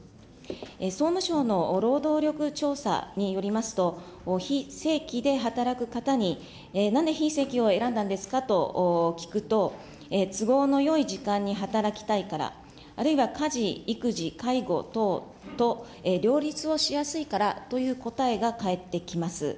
総務省の労働力調査によりますと、非正規で働く方に、なんで非正規を選んだんですかと聞くと、都合のよい時間に働きたいから、あるいは家事、育児、介護等と両立をしやすいからという答えが返ってきます。